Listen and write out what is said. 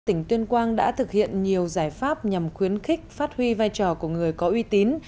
tỉnh tuyên quang đã thực hiện nhiều giải pháp nhằm khuyến khích phát huy vai trò của người có uy tín